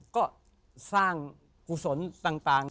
ก็สร้างกุศลต่าง